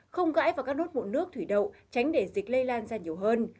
không gãi vào các nốt mụn nước thủy đậu tránh để dịch lây lan ra nhiều hơn